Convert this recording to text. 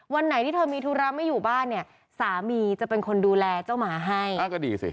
วันไหนที่เธอมีธุระไม่อยู่บ้านเนี่ยสามีจะเป็นคนดูแลเจ้าหมาให้อ้าวก็ดีสิ